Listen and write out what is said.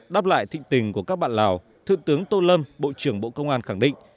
đáp lại thịnh tình của các bạn lào thượng tướng tô lâm bộ trưởng bộ công an khẳng định